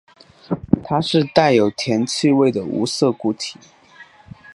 它是带有甜气味的无色固体。